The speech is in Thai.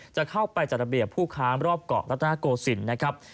จะเข้าไปจัดระเบียบผู้ค้ารอบเกาะและท่าโกสินทร์